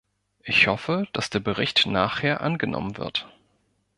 Ich hoffe, dass der Bericht nachher angenommen wird.